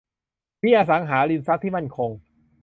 มีอสังหาริมทรัพย์ที่มั่นคง